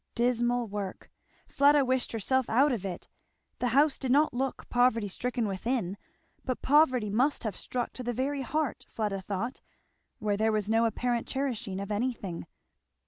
Dismal work! Fleda wished herself out of it. The house did not look poverty stricken within, but poverty must have struck to the very heart, Fleda thought, where there was no apparent cherishing of anything.